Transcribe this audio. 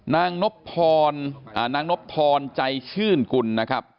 นางนบพรนางนบพรใจชื่นกุลนะครับ